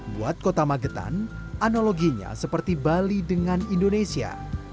buat kota magetan analoginya seperti bali dengan indonesia